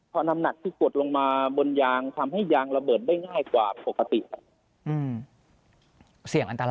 ขอบคุณสำหรับการติดตามรับชมเปิดปากกับฆ่าคลุมนะครับ